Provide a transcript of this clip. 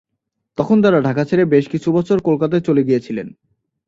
তখন তারা ঢাকা ছেড়ে বেশ কিছু বছর কোলকাতায় চলে গিয়েছিলেন।